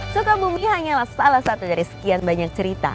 soka bumi hanyalah salah satu dari sekian banyak cerita